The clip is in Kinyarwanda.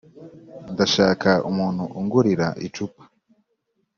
Ndashaka umuntu ungurira icupa